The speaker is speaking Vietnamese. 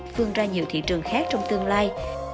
thương ra nhiều thị trường khác trong tương lai